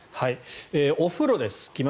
お風呂です。